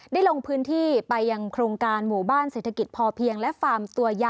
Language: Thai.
ลงพื้นที่ไปยังโครงการหมู่บ้านเศรษฐกิจพอเพียงและฟาร์มตัวยะ